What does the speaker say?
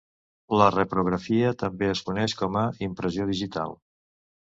La reprografia també es coneix com a "impressió digital".